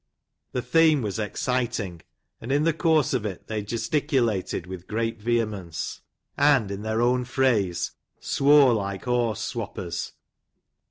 The theme was exciting, and in the course of it they gesticulated with great vehemence, and, in their own phrase, " swore like horse swappers."